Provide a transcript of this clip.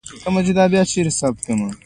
د امریکا له لکنې پرته نقشه انځور یا کاپي کړئ.